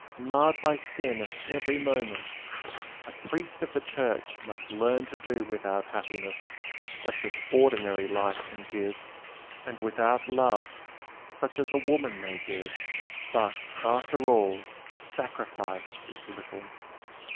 marred by sin at every moment! A priest of the Church must learn to do without happiness such as ordinary life can give and without love, such as woman may give but after all the sacrifice is little."